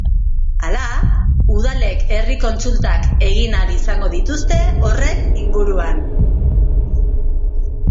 Hala, udalek herri kontsultak egin ahal izango dituzte horren inguruan.